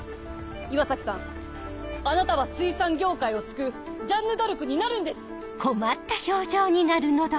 岩崎さんあなたは水産業界を救うジャンヌ・ダルクになるんです！